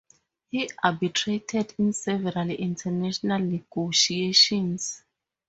He arbitrated in several international negotiations.